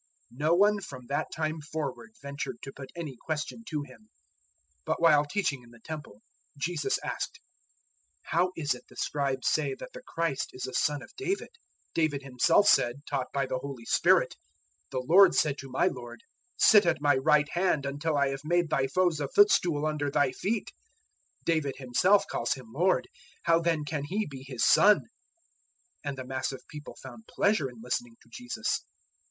No one from that time forward ventured to put any question to Him. 012:035 But, while teaching in the Temple, Jesus asked, "How is it the Scribes say that the Christ is a son of David? 012:036 David himself said, taught by the Holy Spirit, "'The Lord said to my Lord, Sit at My right hand, until I have made thy foes a footstool under thy feet.' 012:037 "David himself calls Him 'Lord:' how then can He be his son?" And the mass of people found pleasure in listening to Jesus.